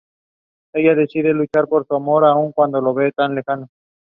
His two brothers also immigrated to Palestine.